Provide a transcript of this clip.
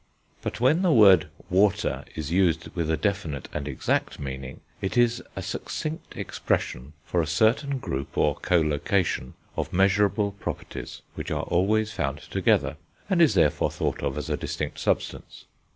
But when the word water is used with a definite and exact meaning, it is a succinct expression for a certain group, or collocation, of measurable properties which are always found together, and is, therefore, thought of as a distinct substance.